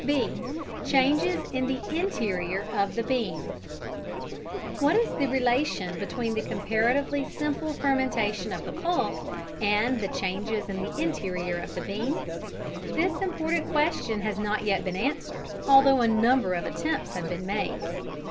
(b) Changes in the Interior of the Bean. What is the relation between the comparatively simple fermentation of the pulp and the changes in the interior of the bean? This important question has not yet been answered, although a number of attempts have been made.